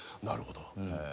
なるほど。